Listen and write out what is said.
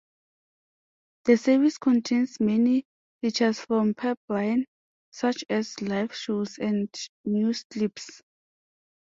The service contains many features from Pipeline, such as live shows and news clips.